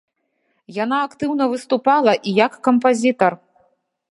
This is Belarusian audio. Яна актыўна выступала і як кампазітар.